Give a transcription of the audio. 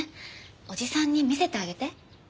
おじさんに見せてあげて。